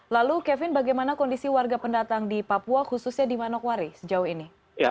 lalu kevin bagaimana kondisi warga pendatang di papua khususnya di manokwari sejauh ini